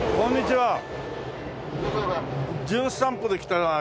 はい。